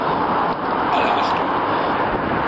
Alle Achtung!